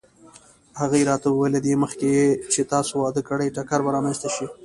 هغې راته وویل: له دې مخکې چې تاسې واده وکړئ ټکر به رامنځته شي.